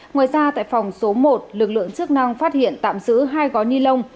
ngoài ra tại phòng số một lực lượng chức năng phát hiện tạm giữ hai gói ni lông